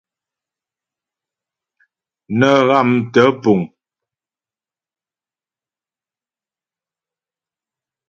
Nə́ ghámtə́ puŋ.